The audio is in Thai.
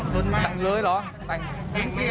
บอกว่าแต่งเลยแต่งเลย